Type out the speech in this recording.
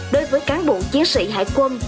đối với cán bộ chiến sĩ hải quân